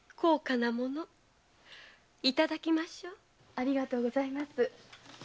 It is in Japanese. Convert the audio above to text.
ありがとうございます。